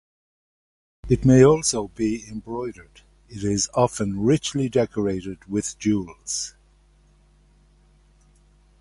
It may also be embroidered, and is often richly decorated with jewels.